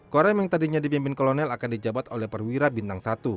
korem yang tadinya dipimpin kolonel akan dijabat oleh perwira bintang satu